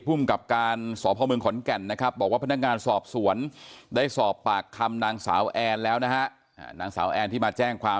ภูมิกับการสพเมืองขอนแก่นนะครับบอกว่าพนักงานสอบสวนได้สอบปากคำนางสาวแอนแล้วนะฮะนางสาวแอนที่มาแจ้งความ